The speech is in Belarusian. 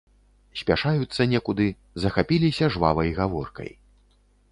Спяшаюцца некуды, захапіліся жвавай гаворкай.